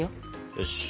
よし。